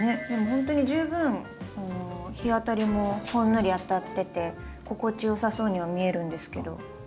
ほんとに十分日当たりもほんのり当たってて心地よさそうには見えるんですけど。